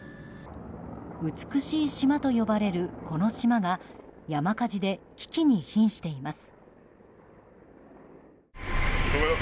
美しい島と呼ばれるこの島が山火事で危機に瀕しています。